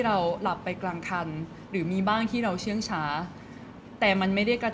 เพราะว่าสิ่งเหล่านี้มันเป็นสิ่งที่ไม่มีพยาน